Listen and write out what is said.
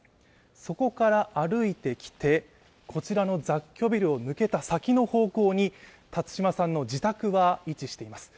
そこから歩いてきて、こちらの雑居ビルを抜けた先の方向に辰島さんの自宅は位置しています。